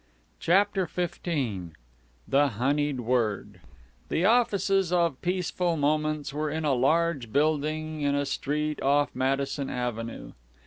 CHAPTER XV THE HONEYED WORD The offices of Peaceful Moments were in a large building in a street off Madison Avenue.